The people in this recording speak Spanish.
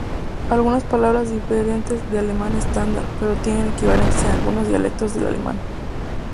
Algunas palabras difieren del alemán estándar, pero tienen equivalentes en algunos dialectos del alemán.